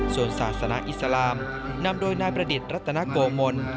ส่วนศาสนาอิสลามนำโดยนายประดิษฐ์รัตนโกมล